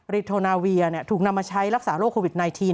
โทนาเวียถูกนำมาใช้รักษาโรคโควิด๑๙